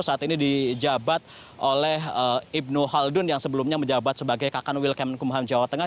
saat ini dijabat oleh ibnu haldun yang sebelumnya menjabat sebagai kakan wilkemenkumham jawa tengah